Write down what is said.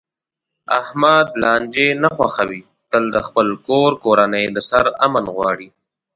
احمد لانجې نه خوښوي، تل د خپل کور کورنۍ د سر امن غواړي.